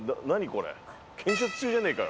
これ、建設中じゃねえか。